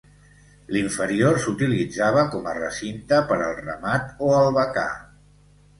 L'inferior s'utilitzava com a recinte per al ramat o albacar.